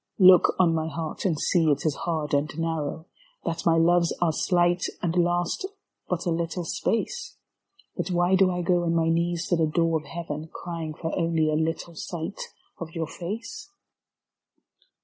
r look on my heart and see it is hard and narrow, That my loves are slight and last but a little space. But why do I go on my knees to the door of Heaven Crying for only a little sight of your face?